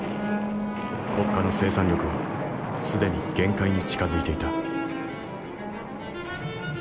国家の生産力は既に限界に近づいていた。